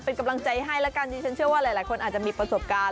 เป็นกำลังใจให้แล้วกันดิฉันเชื่อว่าหลายคนอาจจะมีประสบการณ์